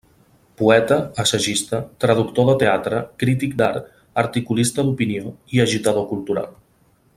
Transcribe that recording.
Poeta, assagista, traductor de teatre, crític d’art, articulista d’opinió i agitador cultural.